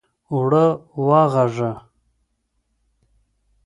اوړه واغږه!